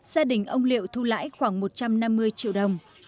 gia đình ông liệu thu lãi khoảng một trăm năm mươi triệu đồng